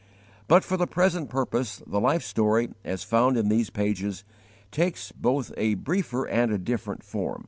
But for the present purpose the life story, as found in these pages, takes both a briefer and a different form.